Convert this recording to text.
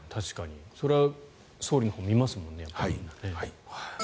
それは総理のほう見ますもんね。